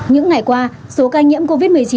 những ngày qua số ca nhiễm covid một mươi chín